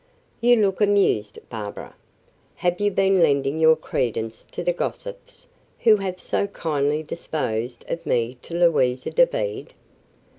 "You look amused, Barbara. Have you been lending your credence to the gossips, who have so kindly disposed of me to Louisa Dobede?"